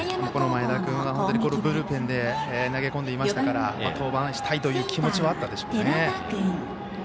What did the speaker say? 前田君はブルペンで投げ込んでいましたから登板したいという気持ちはあったでしょうね。